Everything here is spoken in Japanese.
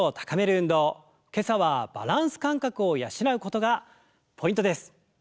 今朝はバランス感覚を養うことがポイントです！